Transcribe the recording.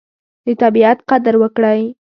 د طبیعت قدر وکړئ.